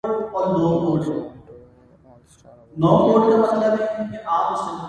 He also won two All Star Awards during his career.